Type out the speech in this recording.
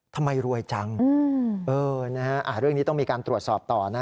ทำไมรวยจังเรื่องนี้ต้องมีการตรวจสอบต่อนะ